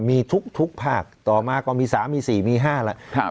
มีทุกภาคต่อมาก็มี๓มี๔มี๕แล้ว